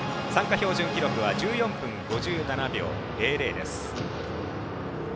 標準記録は１４分５７秒００です。